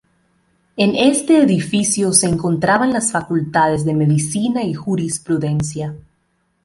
En este edificio se encontraban las facultades de Medicina y Jurisprudencia.